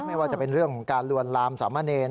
ไม่ว่าจะเป็นเรื่องของการลวนลามสามะเนร